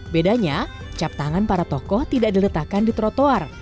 bedanya cap tangan para tokoh tidak diletakkan di trotoar